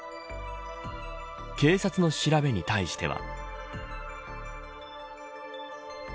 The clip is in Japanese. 警察の調べに対しては。